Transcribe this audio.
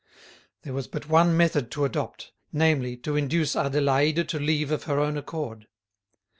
There was but one method to adopt, namely, to induce Adélaïde to leave of her own accord.